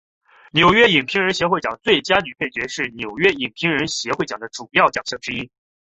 纽约影评人协会奖最佳女配角是纽约影评人协会奖的主要奖项之一。